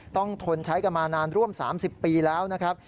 ทนใช้กันมานานร่วม๓๐ปีแล้วนะครับ